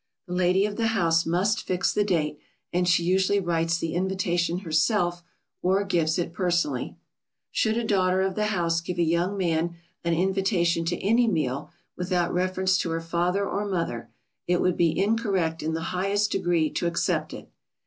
The lady of the house must fix the date, and she usually writes the invitation herself or gives it personally. [Sidenote: Unendorsed invitations from a daughter of the house.] Should a daughter of the house give a young man an invitation to any meal, without reference to her father or mother, it would be incorrect in the highest degree to accept it.